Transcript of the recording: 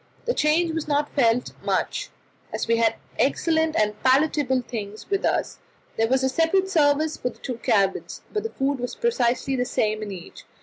The change was not felt much, as we had excellent and palatable things with us. There was a separate service for the two cabins, but the food was precisely the same in each.